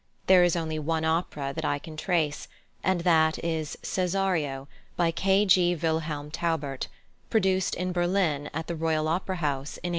There is only one opera that I can trace, and that is Cesario, by +K. G. Wilhelm Taubert+, produced in Berlin at the Royal Opera House in 1874.